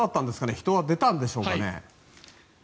人は出たんでしょうかね？